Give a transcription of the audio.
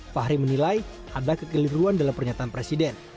fahri menilai ada kekeliruan dalam pernyataan presiden